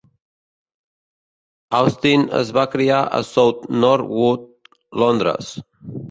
Austin es va criar a South Norwood, Londres.